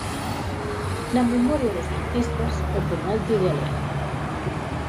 Na memoria dos celtistas, o penalti de Alejo.